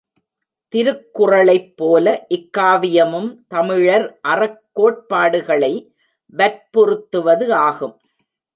திருக்குறளைப் போல இக்காவியமும் தமிழர் அறக் கோட்பாடுகளை வற்புறுத்துவது ஆகும்.